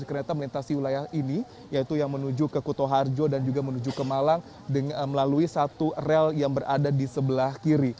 kereta melintasi wilayah ini yaitu yang menuju ke kuto harjo dan juga menuju ke malang melalui satu rel yang berada di sebelah kiri